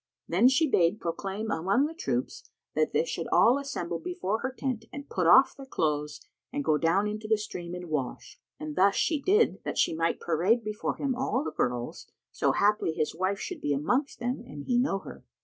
Then she bade proclaim among the troops that they should all assemble before her tent and put off their clothes and go down into the stream and wash; and this she did that she might parade before him all the girls, so haply his wife should be amongst them and he know her.